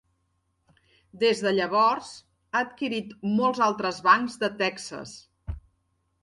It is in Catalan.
Des de llavors, ha adquirit molts altres bancs de Texas.